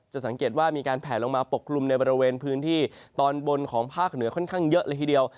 สังเกตว่ามีการแผลลงมาปกกลุ่มในบริเวณพื้นที่ตอนบนของภาคเหนือค่อนข้างเยอะเลยทีเดียว